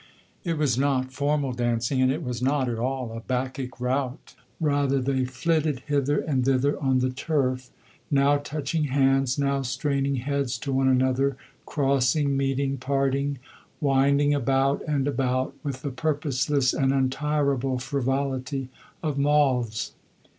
It was not formal dancing, and it was not at all a Bacchic rout: rather they flitted hither and thither on the turf, now touching hands, now straining heads to one another, crossing, meeting, parting, winding about and about with the purposeless and untirable frivolity of moths.